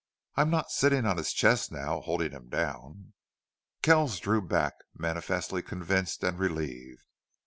I'm not sitting on his chest now, holding him down." Kells drew back, manifestly convinced and relieved.